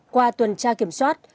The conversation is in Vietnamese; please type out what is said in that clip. qua tuần tra kiểm soát